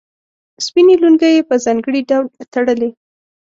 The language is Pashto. سپینې لونګۍ یې په ځانګړي ډول تړلې.